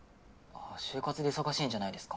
就活で忙しいんじゃないですか？